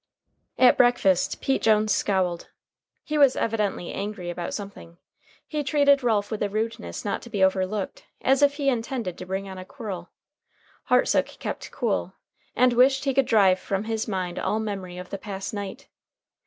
At breakfast Pete Jones scowled. He was evidently angry about something. He treated Ralph with a rudeness not to be overlooked, as if he intended to bring on a quarrel. Hartsook kept cool, and wished he could drive from his mind all memory of the past night.